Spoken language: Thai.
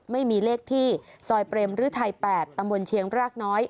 ไม่มีเลขที่ซอยเปรมฤทัย๘ตำบลเชียงรากน้อย